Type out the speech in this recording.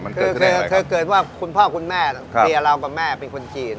มันเกิดที่ได้อะไรครับเกิดว่าคุณพ่อคุณแม่เดี๋ยวเรากับแม่เป็นคนจีน